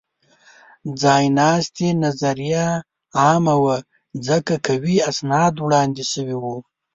ځایناستې نظریه عامه وه؛ ځکه قوي اسناد وړاندې شوي وو.